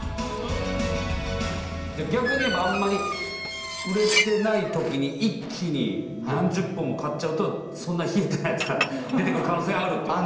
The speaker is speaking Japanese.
逆に言えばあんまり売れてない時に一気に何十本も買っちゃうとそんな冷えてないやつが出てくる可能性あるってこと？